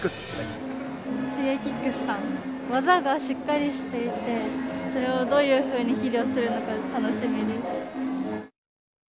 技がしっかりしていてそれをどういうふうに披露するのか楽しみです。